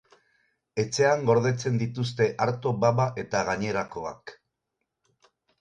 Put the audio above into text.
Etxean gordetzen dituzte arto, baba eta gainerakoak.